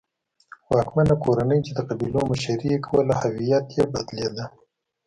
واکمنه کورنۍ چې د قبیلو مشري یې کوله هویت یې بدلېده.